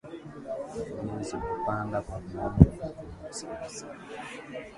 bei zimepanda kwa viwango vikubwa sana